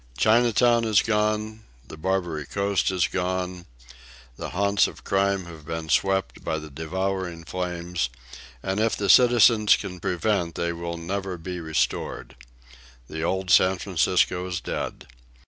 Chinatown is gone; the Barbary Coast is gone; the haunts of crime have been swept by the devouring flames, and if the citizens can prevent they will never be restored. The old San Francisco is dead.